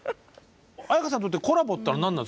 絢香さんにとってコラボっていうのは何なんですか？